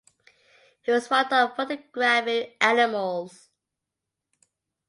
He was fond of photographing animals.